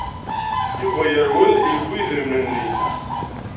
Yuba yerwel, yewwi idrimen-nni.